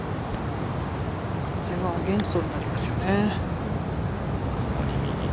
風はアゲンストになりますよね。